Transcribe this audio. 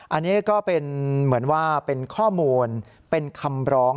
อันนี้ก็เป็นเหมือนว่าเป็นข้อมูลเป็นคำร้อง